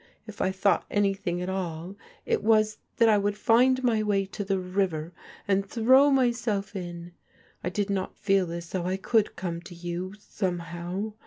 If I thought anything at all it was » that I would find my way to the river and throw myself in. I did not feel as though I could come to you, some how.